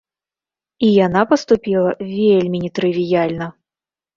І яна паступіла вельмі нетрывіяльна!